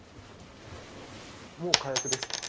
もう火薬ですか？